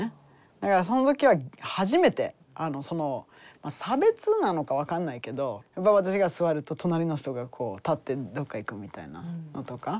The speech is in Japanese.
だからその時は初めて差別なのか分かんないけど私が座ると隣の人が立ってどっか行くみたいなのとか。